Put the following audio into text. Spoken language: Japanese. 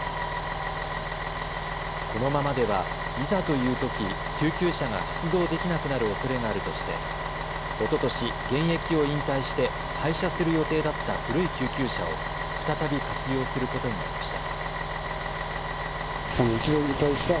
このままでは、いざというとき救急車が出動できなくなるおそれがあるとしておととし現役を引退して廃車する予定だった古い救急車を再び活用することになりました。